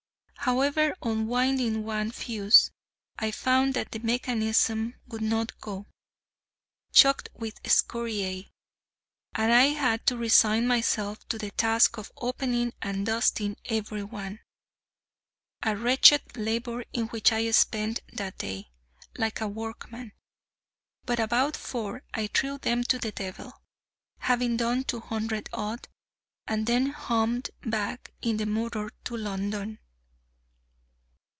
However, on winding one fuse, I found that the mechanism would not go, choked with scoriae; and I had to resign myself to the task of opening and dusting every one: a wretched labour in which I spent that day, like a workman. But about four I threw them to the devil, having done two hundred odd, and then hummed back in the motor to London.